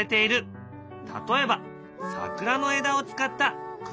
例えば桜の枝を使った草木染め。